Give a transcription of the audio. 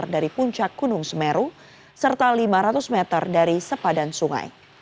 dari puncak gunung semeru serta lima ratus meter dari sepadan sungai